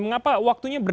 mengapa waktunya berdekatan